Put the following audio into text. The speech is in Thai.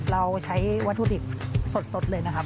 เราใช้วัตถุดิบสดเลยนะครับ